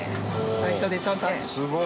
最初でちゃんとすごい！